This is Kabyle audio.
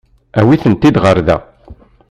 Awit-tent-id ɣer da.